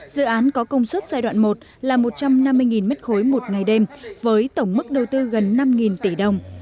dự án có công suất giai đoạn một là một trăm năm mươi m ba một ngày đêm với tổng mức đầu tư gần năm tỷ đồng